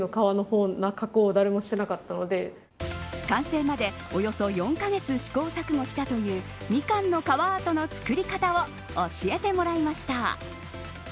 完成まで、およそ４カ月試行錯誤したというみかんの皮アートの作り方を教えてもらいました。